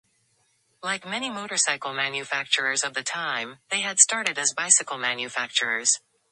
Like many motorcycle manufacturers of the time, they had started as bicycle manufacturers.